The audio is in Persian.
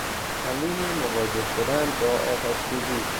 تمرین مواجه شدن با آتش سوزی